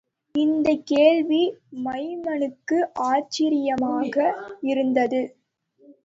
இந்தக் கேள்வி, மைமனுக்கு ஆச்சரியமாக இருந்தது.